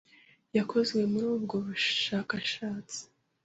yekozwe muri ubwo bushekeshetsi,